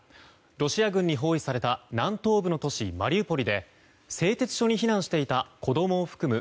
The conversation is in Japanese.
ロシア軍に包囲された南東部の都市マリウポリで製鉄所に避難していた子供を含む